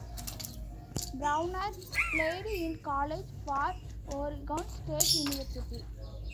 Browner played in college for Oregon State University.